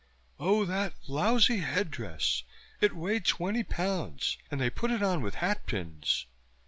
"Oh, that lousy headdress! It weighed twenty pounds, and they put it on with hatpins."